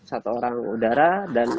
satu orang udara dan